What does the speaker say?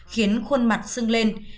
khiến khuôn mặt sưng lên